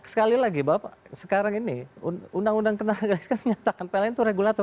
sekali lagi sekarang ini undang undang kentara gelas menyatakan pln itu regulator